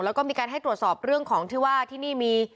แล้วก็มีการให้ตรวจสอบเรื่องของที่ว่าที่นี่มี